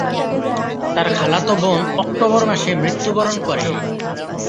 তার খালাতো বোন অক্টোবর মাসে মৃত্যুবরণ করে।